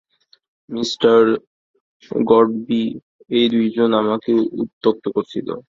Mr Godby এই দুইজন আমাকে উত্যক্ত করছিল।